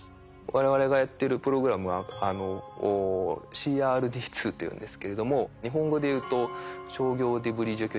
我々がやってるプログラムはＣＲＤ２というんですけれども日本語でいうと商業デブリ除去実証。